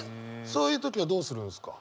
そういう時はどうするんですか？